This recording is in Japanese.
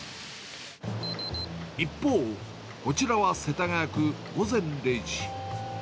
一方、こちらは世田谷区、午前０時。